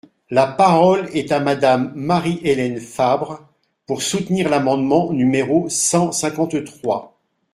La parole est à Madame Marie-Hélène Fabre, pour soutenir l’amendement numéro cent cinquante-trois.